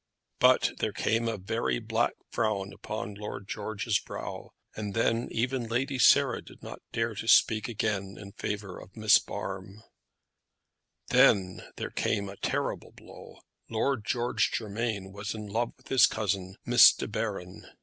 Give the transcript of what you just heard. But there came a very black frown upon Lord George's brow, and then even Lady Sarah did not dare to speak again in favour of Miss Barm. Then there came a terrible blow. Lord George Germain was in love with his cousin, Miss De Baron!